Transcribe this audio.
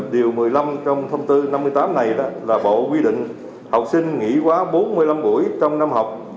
điều một mươi năm trong thông tư năm mươi tám này là bộ quy định học sinh nghỉ quá bốn mươi năm buổi trong năm học